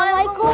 berdoa gak harus